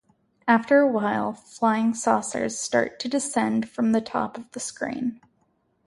After a while, flying saucers start to descend from the top of the screen.